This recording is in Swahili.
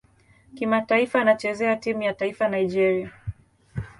Kimataifa anachezea timu ya taifa Nigeria.